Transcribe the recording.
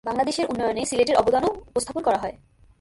বাংলাদেশের উন্নয়নে সিলেটের অবদানও উপস্থাপন করা হয়।